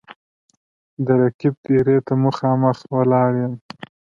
د رقیب دېرې ته مـــخامخ ولاړ یـــــم